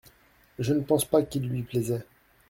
Je ne pense pas qu’il lui plaisait.